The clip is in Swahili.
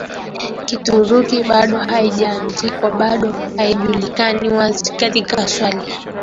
Kituruki bado haijaandikwa Bado haijulikani wazi katika swali